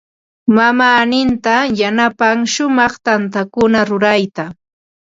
Mamaaninta yanapan shumaq tantakuna rurayta.